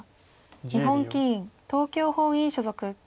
日本棋院東京本院所属。